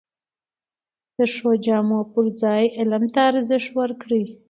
د ښو جامو پر ځای علم ته ارزښت ورکړئ!